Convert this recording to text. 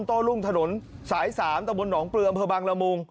โต้รุ่งถนนสาย๓ตะบนหนองปลืออำเภอบังละมุง